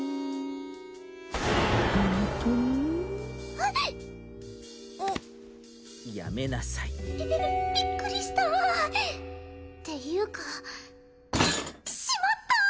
はっうっやめなさいびびびびっくりしたっていうかしまったー！